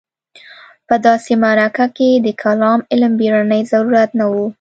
په داسې معرکه کې د کلام علم بېړنی ضرورت نه و.